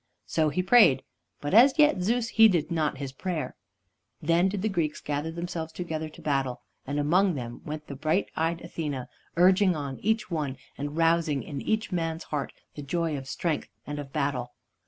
So he prayed, but as yet Zeus heeded not his prayer. Then did the Greeks gather themselves together to battle, and among them went the bright eyed Athene, urging on each one, and rousing in each man's heart the joy of strength and of battle.